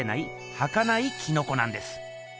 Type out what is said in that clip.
はかないキノコなんです。